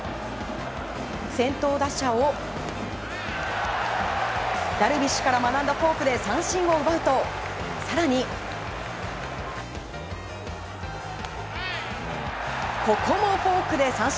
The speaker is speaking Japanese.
先頭打者をダルビッシュから学んだフォークで三振を奪うと、更にここもフォークで三振。